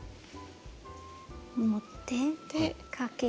持ってかけ目。